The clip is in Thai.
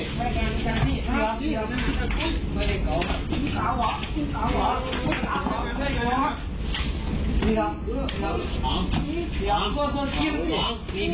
สวัสดีครับทุกคน